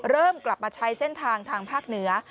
เริ่มกลับมาใช้เส้นทางทางภาคเหนือ